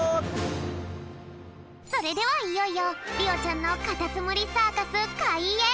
それではいよいよりおちゃんのカタツムリサーカスかいえん！